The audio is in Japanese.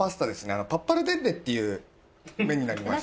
あのパッパルデッレっていう麺になりまして。